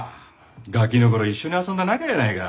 ガキの頃一緒に遊んだ仲やないか。